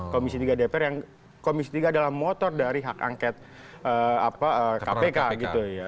komisi tiga dpr yang komisi tiga adalah motor dari hak angket kpk gitu ya